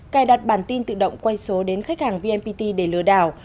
cài đặt bản tin tự động quay số đến khách hàng vnpt để lừa đảo